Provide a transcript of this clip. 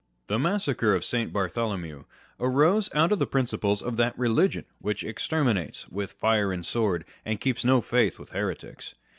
The massacre of St. Bartholomew arose out of the principles of that religion which exterminates with tire and sword, and keeps no faith with heretics.